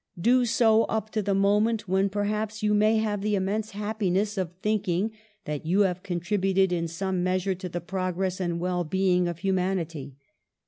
Do so up to the moment when, perhaps, you may have the immense happiness of thinking that you have contributed in some measure to the progress and well being of humanity.